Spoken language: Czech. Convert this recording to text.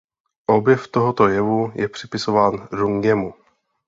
Objev tohoto jevu je připisován Rungemu.